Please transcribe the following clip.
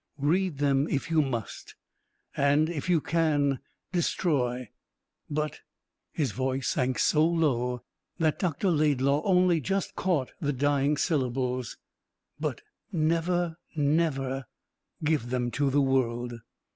"Read them, if you must; and, if you can destroy. But" his voice sank so low that Dr. Laidlaw only just caught the dying syllables "but never, never give them to the world."